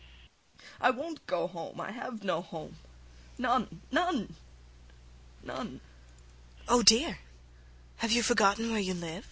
I won't go home; I have no home none! none! none! IVANITCH. Oh, dear! Have you forgotten where you live?